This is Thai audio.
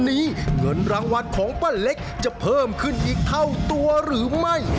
เงินรางวัลของป้าเล็กจะเพิ่มขึ้นอีกเท่าตัวหรือไม่